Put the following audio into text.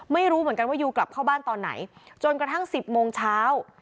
ไม่รู้เหมือนกันว่ายูกลับเข้าบ้านตอนไหนจนกระทั่ง๑๐โมงเช้า